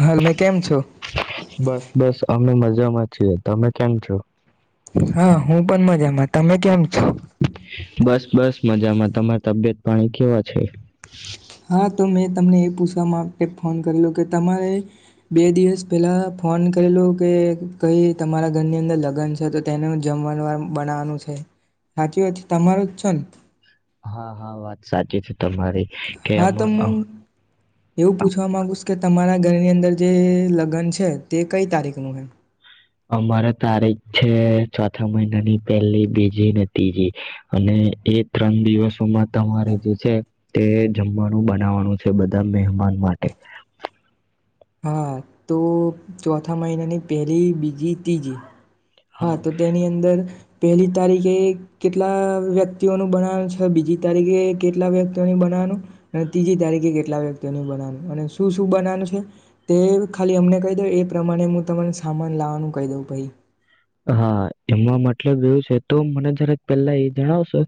હા તમે કેમ છો બસ, બસ, અમે મજા જમા છીએ, તમે કેમ છો હા, હું, પણ મજામાં તમે કેમ છો બસ બસ મજામાં તમાર તબિયત પાણી કેવા છે હા, તો મેં તમને એ પૂછવામાં એક ફોન કરલો કે તમારે બે દિવસ પહેલાં ફોન કરેલું કે કઈ તમારા ઘરની અંદર લગ્ન છે છે તો તેને જમવાણ વાર બનાવવાનું છે. હાચી વાત તમાર જ છો ને. કે છે. તમારી, કે હા તો હું આમાં એવું પૂછવા માગુસ કે તમારા ઘરની અંદર જે લગ્ન છે તે કઈ તારીખનું છે? અમારે તારીખ છે ચોથા મહિનાની પહેલી બીજી ને ત્રીજી, અને એ ત્રણ દિવસોમાં તમારે જે છે તે જમવાનું બનાવાનું છે બધું. મહેમાન માટે. હા તો ચોથા મહિનાની પહેલી બીજી ત્રીજી. હા તો તેની અંદર પહેલી તારીખે કેટલા વ્યક્તિઓનું બનાવવાનું છે બીજી તારીખે કેટલા વ્યક્તિઓની બનાવાનું, અને ત્રીજી તારીખે કેટલા વ્યક્તિઓની બનાવાનું અને શું શું બનાવનું છે? તે ખાલી અમને કહી દઉ એ એ પ્રમાણે હું તમાને સામાન લાવવાનું કહી દઉં પાઈ. હા એમાં મતલબ એવું છે તો મને જારેક પેલા એ જણાવશો,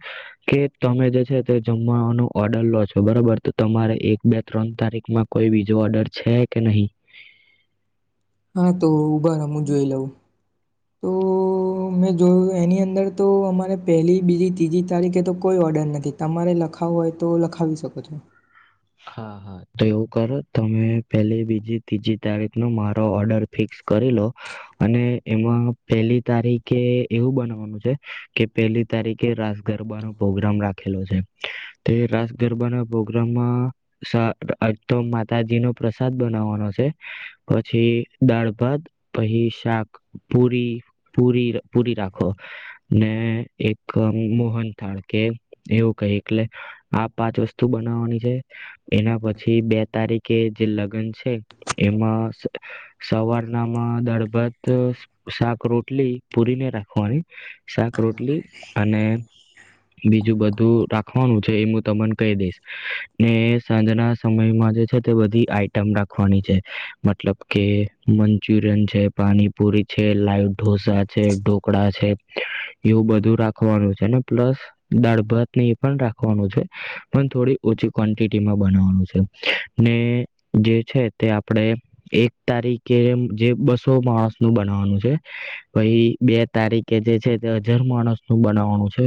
કે તમે જે છે તે જમવાનો ઓર્ડર લો છો બરાબર તો તમારે એક બે ત્રણ તારીખમાં કોઈ બીજો ઓર્ડર છે કે નહી? હા તો ઉભા ર હું જોઈ લઉં. તો મેં જોયું એની અંદર તો અમારે પહેલી બીજી ત્રીજી તારીખે તો કોઈ ઓર્ડર નથી તમારે લખાવો હોય તો લખાવી શકો છો. હા હા તો એવું કરો તમે પેલી બીજી ત્રીજી તારીખ નો મારો ઓર્ડર ફિક્સ કરી લો, અને એમાં પેલી તારીખે એવું બનાવાનું છે, કે પેલી તારીખે રાસ ગરબાનો પ્રોગ્રામ રાખેલો છે, તે રાસ ગરબા ના પ્રોગ્રામમાં સા અહ આજ તો માતાજી નું પ્રસાદ બનાવવાનો છે પછી દાળ ભાત પછી શાક પૂરી પૂરી પૂરી રાખો ને એક મોહન થાળ કે એવું કહી એટલે આ પાંચ વસ્તુ બનાવવાની છે. એના પછી બે તારીખે જે લગ્ન છે એમાં સ-સવારનામાં દળભત શાક રોટલી પૂરીને રાખવાની શાક રોટલી અને બીજું બધું રાખવાનું છે એમું તમન કહી દઈશ. ને સાંજના સમયમાં જે છે તે બધી આઈટમ રાખવાની છે મતલબ કે મંચુરિયન છે, પાણીપુરી છે, લાઈવ ઢોસા છે, ઢોકળા છે એવું બધું રાખવાનું છે ને પ્લસ દાળ ભાત ને એ પણ રાખવાનું છે પણ થોડી ઓછું ક્વન્ટિટીમાં બનાવવાનું છે. ને જે છે તે આપણે એક તારીખે જે બસો માણસનું બનાવવાનું છે પહિ બે તારીખે જે છે તે હજાર માણસનું બનાવવાનું છે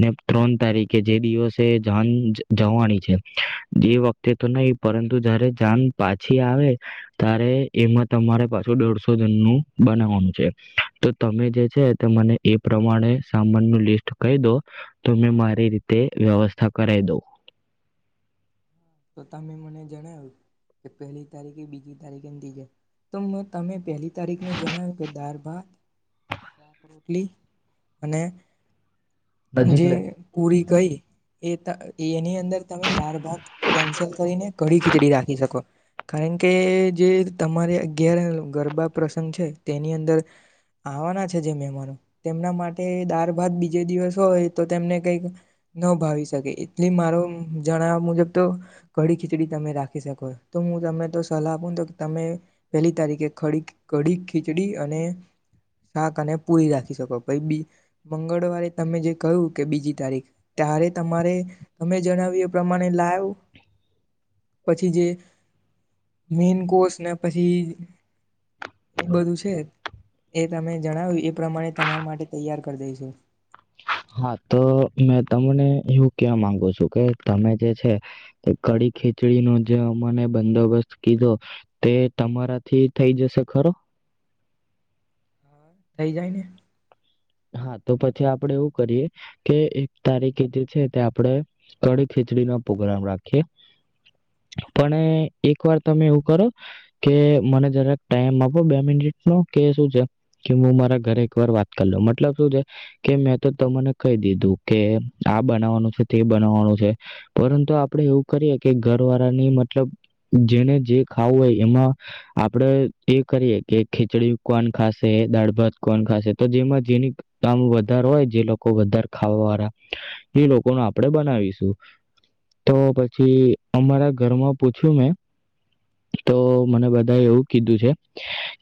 ને ત્રણ તારીખે જે દિવસે જાન જવાની છે જે વખતે તો નહી પરંતુ જારે જાન પાછી આવે ત્યારે એમાં તમારે પાછું દોઢસો જણનું બનાવવાનું છે. તો તમે જે છે મને એ પ્રમાણે સામાન ન લિસ્ટ કહી દો તો મે મારી રીતે વ્યવસ્થા કરાઈ દઉં. તો તમે મને જણાવ્યું કે પહેલી તારીખે બીજી તારીખે ને તિજે તો મેં તમે પહેલી તારીખનું જણાવ્યું કે દળ ભાત શાક રોટલી અને જે પૂરી કઈ એ ત અહ એની અંદર તમે દાડ ભાત કેન્સલ કરીને કઢી ખીચડી રાખી શકો. ઓ કારણ કે જે તમારે અગિયાર હૈ ગરબા પ્રસંગ છે તેની અંદર આવવાના છે જે મહેમાનો તેમના માટે દાર ભાત બીજે દિવસ હોય તો તેમને કઈક ન ભાવી શકે એટલે મારો જણાવ મુજબ તો કઢી ખીચડી તમે રાખી શકો તો હું તમને તો સલાહ આપું તો તમે પહેલી તારીખે ખડી કઢી ખીચડી અને શાક અને પૂરી રાખી શકો પેલ બી મંગળવારે તમે જે કહ્યું કે બીજી તારીખ ત્યારે તમારે તમે જણાવી એ પ્રમાણે લાવ પછી જે મેન કોષ ને પછી એ બધું છે એ તમે જણાવ્યું એ પ્રમાણે તમારા માટે તૈયાર કર દઈશું. હા, તો મેં તમને એવું કેવા માંગુ છું કે તમે જે છે કઢી ખીચડીનું જે અમને બંદોબસ્ત કીધો તે તમારાથી થઈ જશે ખરો? અહ થઈ જાય ને. હા તો પછી આપડે એવું કરીએ, કે એક તારીખે જે છે તે આપણેે કડી ખીચડીનો પ્રગ્રામ રાખીએ, પણ એક વાર તમે એવું કરો, કે મને જરાક ટાઈમ આપો બે મિનિટ નો કે શું છે કે હું મારા ઘરે એક વાર વાત કરી લઉ મ મેં તો તને કહી દીધું કે આ બનાવવાનું છે તે બનાવવાનું છે, પરંતુ આપડે એવું કરીએ કે ઘર વાળાની મતલબ જેને જે ખાવું હોય એમાં, આપડે એ કરીએ કે ખીચડી કોણ ખાશે દાળ ભાત કોણ ખાશે તો જેમાં જેની કામ વધારે હોય જે લોકો વધારે ખાવા વાળા, એ લોકોને આપડે બનાવીશું, તો પછી અમારા ઘરમાં પૂછ્યું મેં. તો મને બધા એવું કીધું છે,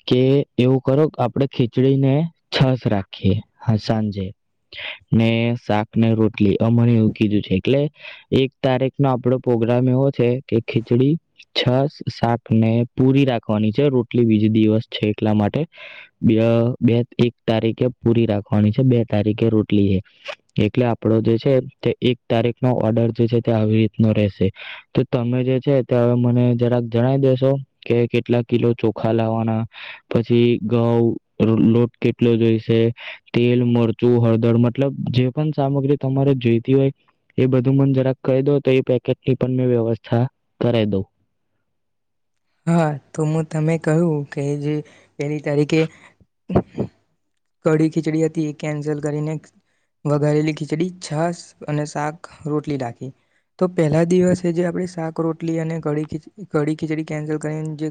કે એવું કરો આપડે ખીચડીને છાશ રાખીએ સાંજે ને શાક ને રોટલી, અ મને એવું કીધું છે, એટલે એક તારીખ નો આપડો પ્રગ્રામ એવો છે કે ખીચડી, છસ. શાકને પૂરી રાખવાની છે રોટલી બીજ દિવસ છે એટલા માટે, બે બે એક તારીખે પૂરી રાખવાની છે બે તારીખે રોટલી એ, એટલે આપણો જે છે તે એક તારીખનો ઓર્ડર જે છે તે આવી રીતનો રહેશે, તો તમે જે છે તે હવે મને જરાક જણાવ દેેશો કે કેટલા કિલો ચોખા લાવવાના, પછી ઘઉ લોટ કેટલો જોઈશે, તેલ મરચું હળદર મતલબ જે પણ સામગ્રી તમારે જોઈતી હોય એ બધું મને જરાક કહી દો તો એ પેકેટની પણ મેં વ્યવસ્થા કરાવ દઉં. હા તો હું તમે કહ્યું કે જે, પહેલી તારીખે કઢી ખીચડી હતી એ કેન્સલ કરીને વઘારેેલી ખીચડી છાસ અને શાક રોટલી રાખી, તો પહેલા દિવસે જે આપણે શાક રોટલી અને કી ખી કડી ખીચડી કેન્સલ કરીને જે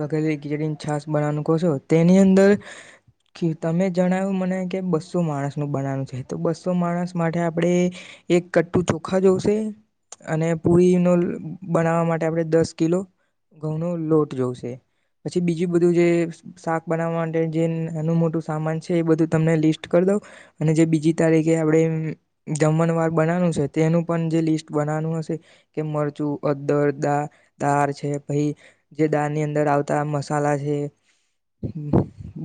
વગાડી છાસ બનાવાનું કહશો તેની અંદર તમે જણાવ્યું મને કે બસો માણસ નું બનાવાનું છે તો બસો માણસ માટે આપણે, એક કટ્ટ ચોખા જોશે અને પુરી ન બનાવવા માટે આપણે દસ કિલો ઘઉંનો લોટ જોશે, પછી બીજું બધું જે શાક બનાવવા માટે જે નાનું મોટું સામાન છે એ બધું તમને લિસ્ટ કરી દઉં, અને જે બીજી તારીખે આપણે જમણવાર બનાવનું છે તેનું પણ જે લિસ્ટ બનાવવાનું હશે, કે મરચું અદર દા દાર છે. પાઈ જે દાળની અંદર આવતા મસાલા છે,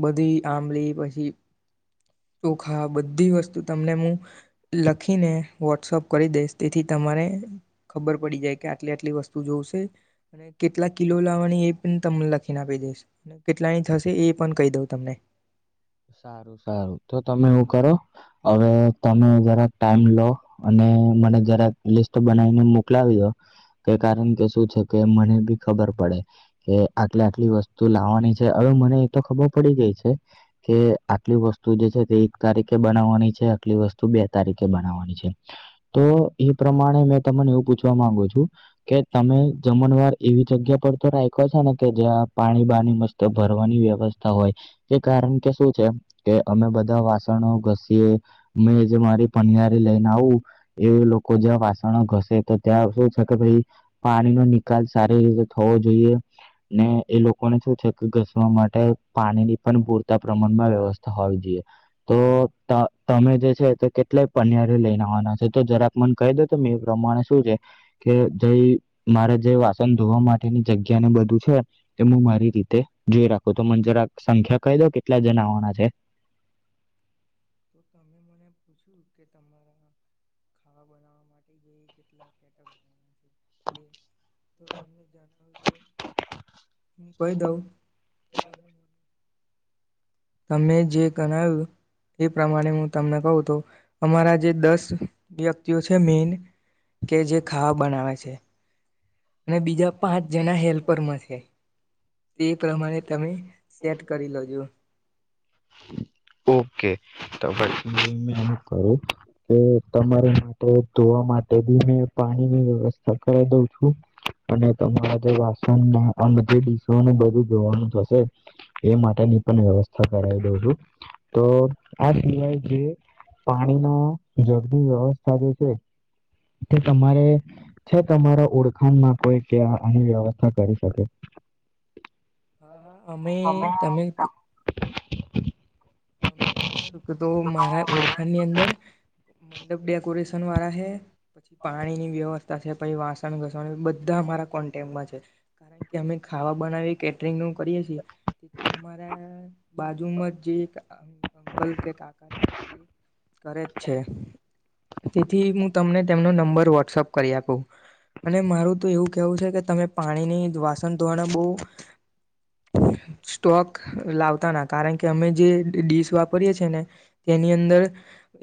બધી આંબળ પછી ચોખા બધી વસ્તુ તમને હું, લખીને વોટ્સઅપ કરી દઈશ તેથી તમારે ખબર પડી જાય કે આટલી આટલી વસ્તુ જોવશે, અને કેટલા કિલો લાવવાની એ પણ તમને લખીને આપી દઈશ, કેટલાની થશે એ પણ કહી દઉં તમને. સારું સારું તો તમે એવું કરો, હવે તમે જરાક ટાઈમ લો અને મને જરાક લિસ્ટ બનાવીને મોકલાવી દો, તે કારણ કે શું છે કે મને બી ખબર પડે, કે આટલી આટલી વસ્તુ લાવવાની છે હવે મને એ તો ખબર પડી ગઈ છે. કે આટલી વસ્તુ જે છે તે એક તારીખે બનાવવાની છે આટલી વસ્તુ બે તારીખે બનાવવાની છે, તો એ પ્રમાણે મેં તમને એવું પૂછવા માંગુ છું, કે તમે જમણવાર એવી જગ્યા પર તો રાખ્યો છે ને કે જ્યાં પાણી બાની મસ્ત ભરવાની વ્યવસ્થા હોય, તે કારણ કે શું છે કે અમે બધા વાસણો ઘસીએ, મે જે મારી પનિયારી લઈને આવું, એ લોકો જ્યાં વાસણો ઘસે તો ત્યાં શું છે કે ભાઈ, પાણીનોો નિકાલ સારી રીતે થવો જોઈએ ને એ લોકોને શું છે કે ઘસવા માટે પાણી ની પણ પૂરતી પ્રમાણમાં વ્યવસ્થા હોવી જોઈએ, તો તમે જે છે તે કેટલાય પનિયરે લઈનેવાના છે તો જરાક મને કહી દો તો મેં એ પ્રમાણે શું છે, કે જે મારે જે વાસન ધોવા માટેની જગ્યા ને બધું છે, તે હું મારી રીતે જોઈ રાખું તો મને જરાક સંખ્યા કહી દો કે કેટલા જણવાના છે. મને પૂછ્યું કે તમારા ખાવા બના માટે હું કહી દઉં ત જે ગણાવ્યું [unintelligible] એ પ્રમાણે હું તમને કહ તો અમારા જે દસ વ્યક્તિઓ છે મેન કે જે ખાવા બનાવે છે. અને બીજા પાંચ જણા હેલ્પરમાં છે. એ પ્રમાણે તમે સેટ કરી લજો. મે એ કરું કે તમારે માટે ધોવા માટે બી મે પાણીની વ્યવસ્થા કરી દઉં છું, અને તમારા જે વાસણ આ બધીડીસોને બધું જોવાનું થશે. એ માટેની પણ વ્યવસ્થા કરાવી દઉં છું, તો આ સિવાય જે પાણીના જગની વ્યવસ્થા જે છે. તે તમારે છે તમારા ઓળખાણમાં કોઈ કે્યાં આની વ્યવસ્થા કરી શકે? હા હા અમે તમે તમે જણાવ્યું કે તો મારા ઓળખાણની અંદર મંડપ ડેકોરેશન વાળા છે પછી પાણીની વ્યવસ્થા છે પછી વાસણ ઘસણ બધા અમારા કોન્ટેમાં છે કારણ કે અમે ખાવા બનાવી કેટરિંગનું કરીએ છીએ તેથી અમારા બાજુમાં જે એક અ અં બલ કે આકારે કરે છે તેથી હું તમને તેમનો નંબર વોટ્સઅપ કરી આપું અને મારું તો એવું કેવું છે કે તમે પાણીની વાસણ ધોરણ બહ સ્ટોક લાવતા ના કારણ કે અમે જે ડીશ વાપરીએે છે ને તેની અંદર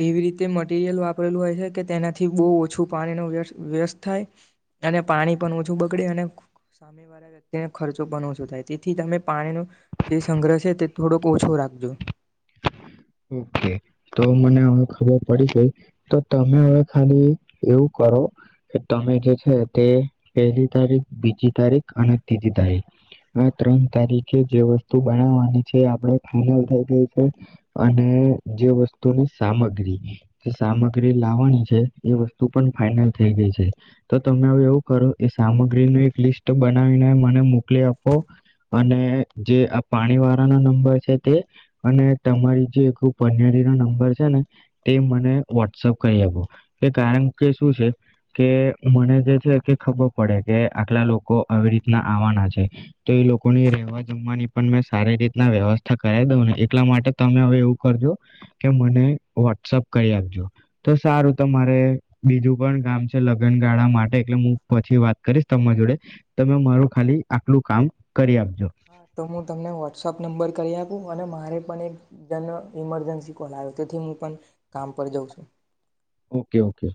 એવી રીતે મટીરિયલ વાપરેલું હોય છે કે તેનાથી બહુ ઓછું પાણીનો વ્ય વ્યસ્ત થાય અને પાણી પણ ઓછું બગડે અને સામે વાળા વ્યક્તિને ખર્ચો પણ ઓછો થાય તેથી તમે પાણીનો જે સંગ્રહ છે તે થોડોક ઓછો રાખજો. ઓકે તો મને હવે ખબર પડી ગઈ તો તમે હવે ખાલી એવું કરો કે તમે જે છે તે પહેલી તારીખ બીજી તારીખ અને ત્રીજી તારીખ આ ત્રણ તારીખે જે વસ્તુ બનાવવાની છે આપણે ફાઈનલ થઈ ગઈ છે. અને જે વસ્તુની સામગ્રી જે સામગ્રી લાવવાની છે એ વસ્તુ પણ ફાાઈનલ થઈ ગઈ છે તો તમે હ એવું કરો એ સામગ્રી ન એક લિસ્ટ બનાવીને મને મોકલી આપો અને જે આ પાણી વાળાનો નંબર છે તે અને તમારી જે એક પનેરીનો નંબર છે ને તે મને વોટ્સઅપ કરી આપો કે કારણ કે શું છે કે મને જે છે કે ખબર પડે કે આટલા લોકો આવી રીતના આવવાના છે તો એ લોકોની રહેવા જમવાની પણ મેં સારી રીતના વ્યવસ્થા કરાવ દઉં ને એટલા માટે તમે હવે એવું કરજો કે મને વોટ્સઅપ કરી આપજો તો સારું તમારે બીજું પણ કામ છે લગનગાળા માટે એટલે હું પછી વાત કરીશ તમારી જોડે તમે મારું ખાલી આટલું કામ કરી આપજો હા તો હું તમને વોટ્સઅપ નંબર કરી આપું અને મારે પણ એક જન ઇમરજન્સી કોલ આવ્યો તેથી હું પણ કામ પર જાઉં છું. Okay okay.